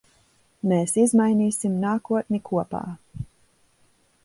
Mēs izmainīsim nākotni kopā.